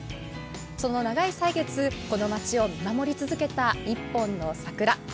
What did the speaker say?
その長い歳月、この町を見守り続けた一本の桜。